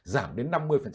giảm đến năm mươi